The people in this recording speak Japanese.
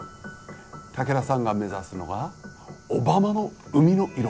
竹田さんが目指すのは小浜の海の色。